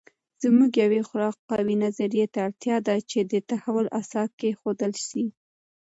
زموږ یوې خورا قوي نظریې ته اړتیا ده چې د تحول اساس کېښودل سي.